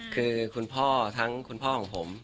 คือคุณพ่อทั้งคุณพ่อของผม